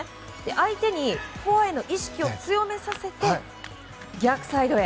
相手にフォアへの意識を強めさせて逆サイドへ。